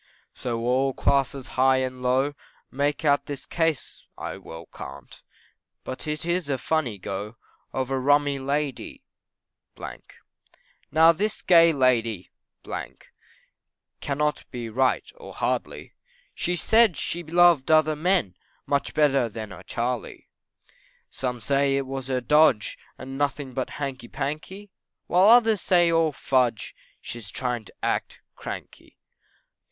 So all classes high and low, Make out this case I well can't, But it is a funny go, Of rummy Lady . Now this gay Lady Cannot be right, or hardly, She said she loved other men, Much better than her Charley. Some say it was her dodge, And nothing but hanky panky, While others say all fudge, She is trying to act cranky.